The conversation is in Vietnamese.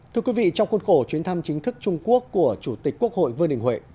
thưa quý vị trong khuôn khổ chuyến thăm chính thức trung quốc của chủ tịch quốc hội vương đình huệ